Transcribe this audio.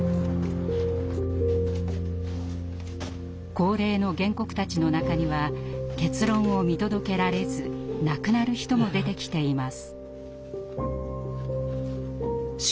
高齢の原告たちの中には結論を見届けられず亡くなる人も出てきています。